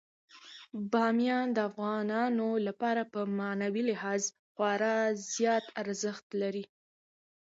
بامیان د افغانانو لپاره په معنوي لحاظ خورا زیات ارزښت لري.